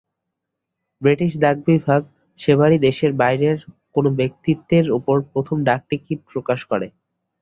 British ডাকবিভাগ সেবারই দেশের বাইরের কোনো ব্যক্তিত্বের ওপর প্রথম ডাকটিকিট প্রকাশ করে।